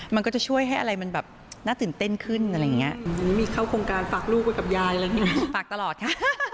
มันก็จะช่วยให้อะไรมันแบบน่าตื่นเต้นขึ้นอะไรอย่างนี้